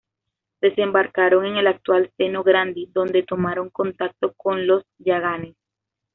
Desembarcaron en el actual seno Grandi donde tomaron contacto con los yaganes.